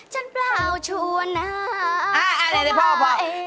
ฉันเปล่าชัวร์นะเข้ามาเอง